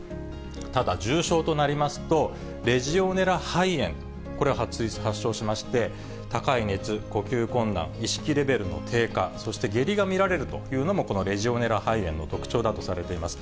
ただ重症となりますと、レジオネラ肺炎、これを発症しまして、高い熱、呼吸困難、意識レベルの低下、そして下痢が見られるというのも、このレジオネラ肺炎の特徴だとされています。